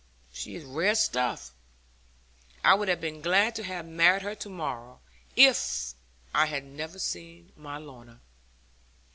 She is rare stuff. I would have been glad to have married her to morrow, if I had never seen my Lorna.'